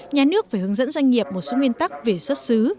nhà nước phải hướng dẫn doanh nghiệp một số nguyên tắc về xuất xứ